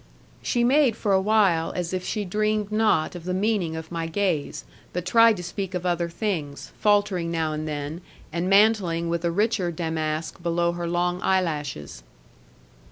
She made for awhile as if she dreamed not of the meaning of my gaze, but tried to speak of other things, faltering now and then, and mantling with a richer damask below her long eyelashes.